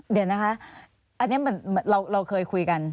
เดี๋ยวนะคะอันนี้เราเคยคุยกัน